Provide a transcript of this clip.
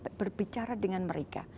kita berbicara dengan mereka